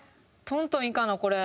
トントンいかなこれ。